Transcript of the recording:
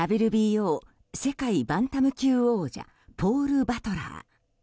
ＷＢＯ世界バンタム級王者ポール・バトラー。